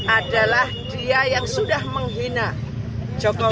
adalah dia yang sudah menghina jokowi